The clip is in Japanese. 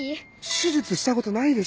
手術したことないでしょ？